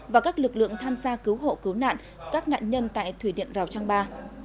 và các lực lượng tham gia cứu hộ cứu nạn các nạn nhân tại thủy điện rào trang ba